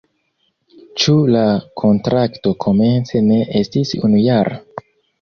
Ĉu la kontrakto komence ne estis unujara?